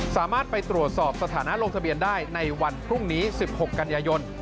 สามารถไปตรวจสอบสถานะลงทะเบียนได้ในวันพรุ่งนี้๑๖กันยายน